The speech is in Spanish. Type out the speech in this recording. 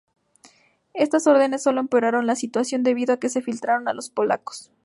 Estas órdenes sólo empeoraron la situación debido a que se filtraron a los polacos.